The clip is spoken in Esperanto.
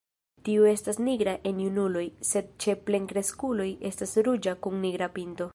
Tiu estas nigra en junuloj, sed ĉe plenkreskuloj estas ruĝa kun nigra pinto.